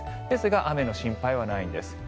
ですが、雨の心配はないです。